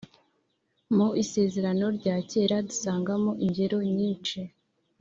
mu isezerano rya kera, dusangamo ingero nyinshi